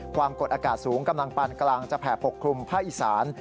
ความกดอากาศสูงกำลังปานกลางจะแผ่ปกคลุมภาคอีสาน